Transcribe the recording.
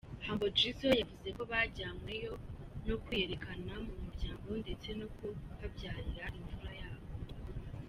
Humble Jizzo yavuze ko bajyanyweyo no kwiyerekana mu muryango ndetse no kuhabyarira imfura yabo.